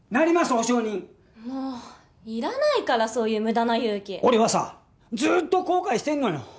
保証人もういらないからそういう無駄な勇気俺はさずっと後悔してんのよ